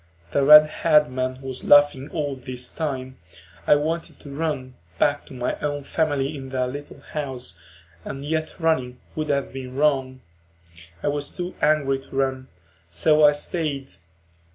The red haired man was laughing all this time. I wanted to run, back to my own family in their little house, and yet running would have been wrong; I was too angry to run, so I stayed.